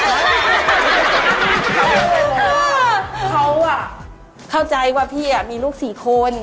เขาเข้าใจว่าพี่มีลูก๔คน